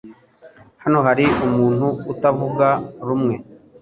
Hano hari umuntu utavuga rumwe?